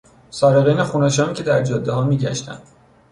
سارقین خون آشامی که در جادهها میگشتند